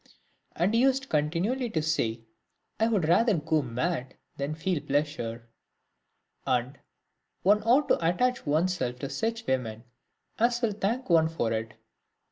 And he used continually to say, " I would rather go mad than feel pleasure." And, " One ought to attach one's self to such women as will thank one for it."